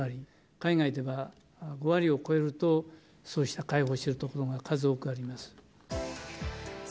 海外では５割を超えると、そうした開放しているところが数多くあります。